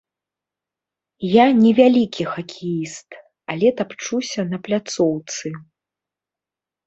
Я не вялікі хакеіст, але тапчуся на пляцоўцы.